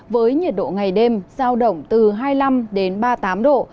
với nhiệt độ ngày đêm giao động từ hai mươi năm đến ba mươi tám độ